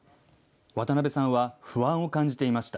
渡邊さんは不安を感じていました。